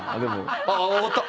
あ終わった。